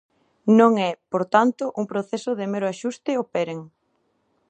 Non é, por tanto, un proceso de mero axuste operen.